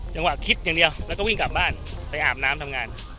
คิดอย่างเดียวแล้วก็วิ่งกลับบ้านไปอาบน้ำทำงาน